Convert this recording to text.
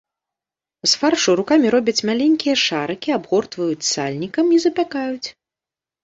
З фаршу рукамі робяць маленькія шарыкі, абгортваюць сальнікам і запякаюць.